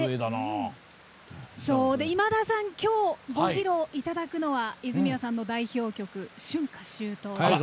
今田さん、今日ご披露いただくのは泉谷さんの代表曲「春夏秋冬」。